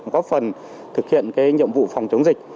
góp phần thực hiện nhiệm vụ phòng chống dịch